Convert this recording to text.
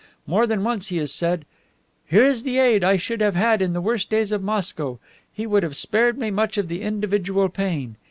More than once he has said, 'Here is the aide I should have had in the worst days of Moscow. He would have spared me much of the individual pain.